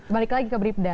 balik lagi ke bribda